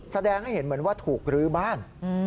แสดงให้เห็นเหมือนว่าถูกรื้อบ้าน